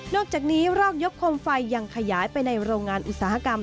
อกจากนี้รอกยกคมไฟยังขยายไปในโรงงานอุตสาหกรรม